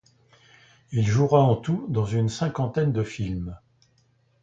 Il jouera en tout dans une cinquantaine de films.